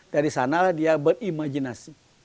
dari sana dia berimajinasi